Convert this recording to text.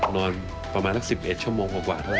นอนประมาณ๑๑ชั่วโมงกว่ากว่าเท่านี้